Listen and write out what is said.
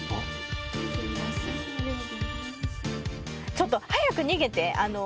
ちょっと早く逃げて！